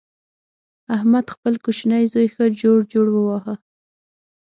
احمد خپل کوچنۍ زوی ښه جوړ جوړ وواهه.